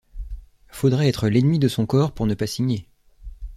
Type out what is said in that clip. Faudrait être l’ennemi de son corps pour ne pas signer.